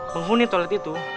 penghuni toilet itu